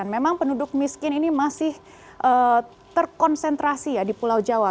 memang penduduk miskin ini masih terkonsentrasi ya di pulau jawa